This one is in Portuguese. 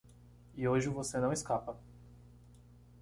E hoje você não escapa.